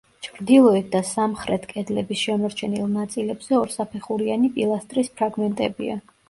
ჩრდილოეთ და სამხრეთ კედლების შემორჩენილ ნაწილებზე ორსაფეხურიანი პილასტრის ფრაგმენტებია.